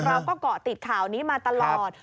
เราก็เกาะติดข่าวนี้มาตลอด